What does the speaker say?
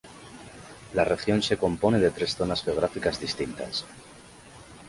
La región se compone de tres zonas geográficas distintas.